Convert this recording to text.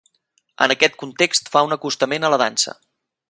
En aquest context fa un acostament a la dansa.